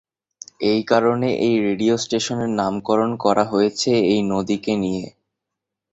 এই কারণে এই রেডিও স্টেশনের নামকরণ করা হয়েছে এই নদীকে নিয়ে।